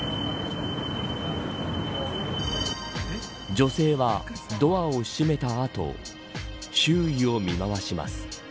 女性はドアを閉めた後周囲を見回します。